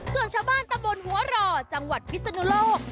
ส่วนชาวบ้านตำบลหัวรอจังหวัดพิศนุโลก